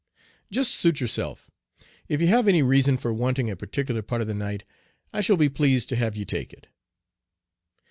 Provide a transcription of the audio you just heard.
"Just suit yourself. If you have any reason for wanting a particular part of the night, I shall be pleased to have you take it."